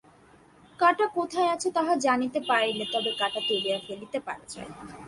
কাঁটা কোথায় আছে তাহা জানিতে পারিলে তবে কাঁটা তুলিয়া ফেলিতে পারা যায়।